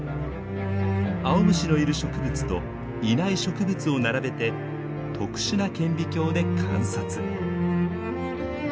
アオムシのいる植物といない植物を並べて特殊な顕微鏡で観察。